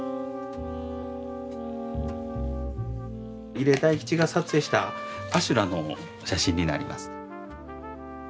入江泰吉が撮影した阿修羅の写真になります。